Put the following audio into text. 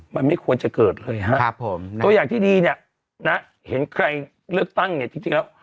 มันไม่ควรจะเกิดเลยครับผมตัวอย่างที่ดีเนี่ยนะเห็นใครเลือกตั้งเนี่ยจริงแล้ว